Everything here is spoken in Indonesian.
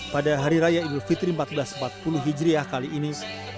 pada hari raya idul fitri seribu empat ratus empat puluh hijriah kali ini